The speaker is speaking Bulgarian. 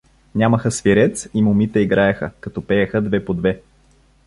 Нямаха свирец и момите играеха, като пееха две по две.